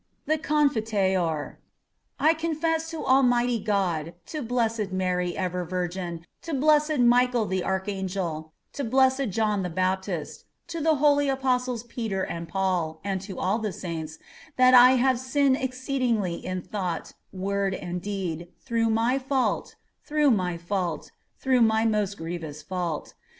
THE CONFITEOR I confess to Almighty God, to blessed Mary, ever Virgin, to blessed Michael the Archangel, to blessed John the Baptist, to the holy Apostles Peter and Paul, and to all the Saints, that I have sinned exceedingly in thought, word and deed, through my fault, through my fault, through my most grievous fault.